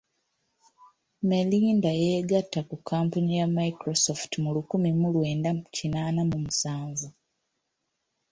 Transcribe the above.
Melinda yeegatta ku kkampuni ya Microsoft mu lukumi mu lwenda kinaana mu musanvu.